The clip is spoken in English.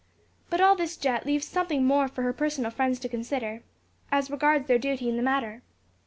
But all this jet leaves something for her more personal friends to consider, as regards their duty in the matter.